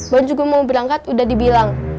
baru juga mau berangkat udah dibilang